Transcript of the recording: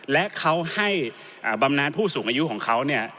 และเขาให้บำนานผู้สูงอายุของเขาเนี่ย